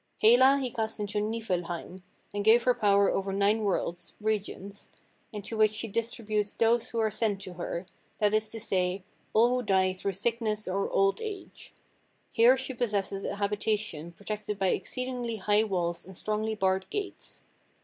Hela he cast into Nifelheim, and gave her power over nine worlds (regions), into which she distributes those who are sent to her, that is to say, all who die through sickness or old age. Here she possesses a habitation protected by exceedingly high walls and strongly barred gates.